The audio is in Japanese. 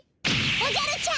おじゃるちゃん！